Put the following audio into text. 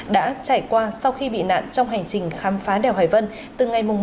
đã trải qua sau khi bị nạn trong hành trình khám phá đèo hải vân